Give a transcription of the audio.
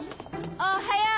おっはよう！